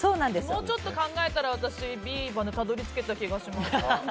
もうちょっと考えたらＢまでたどり着けた気がします。